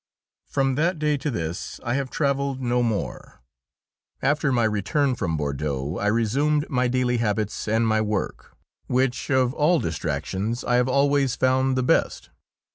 From that day to this I have travelled no more. After my return from Bordeaux I resumed my daily habits and my work, which of all distractions I have always found the best.